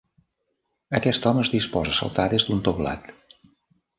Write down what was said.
Aquest home es disposa a saltar des d'un teulat.